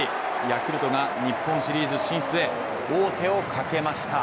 ヤクルトが日本シリーズ進出へ王手をかけました。